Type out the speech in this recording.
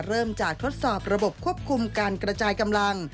เริ่มจากทดสอบระบบควบคุมการกระจายกำลัง